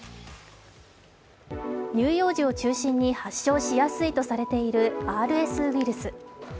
乳幼児を中心に発症しやすいとされているＲＳウイルス。